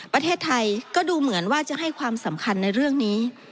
ประเทศไทยก็ดูเหมือนว่าจะให้ความสำคัญในเรื่องนี้